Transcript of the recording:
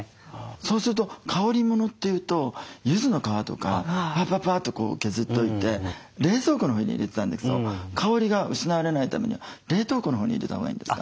そうすると香りものっていうとゆずの皮とかパパパッて削っといて冷蔵庫のほうに入れてたんですけど香りが失われないためには冷凍庫のほうに入れたほうがいいんですか？